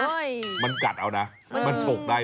เฮ้ยมันกัดเอามันโฉกได้